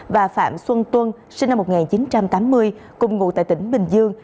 và phạm xuân tuân sinh năm một nghìn chín trăm tám mươi cùng ngụ tại tỉnh bình dương